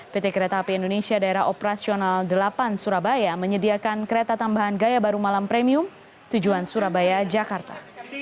pt kereta api indonesia daerah operasional delapan surabaya menyediakan kereta tambahan gaya baru malam premium tujuan surabaya jakarta